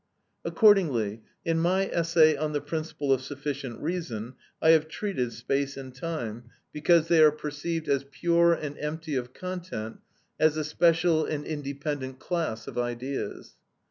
Accordingly, in my essay on the principle of sufficient reason, I have treated space and time, because they are perceived as pure and empty of content, as a special and independent class of ideas.